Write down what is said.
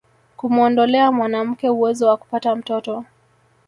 kumuondolea mwanamke uwezo wa kupata mtoto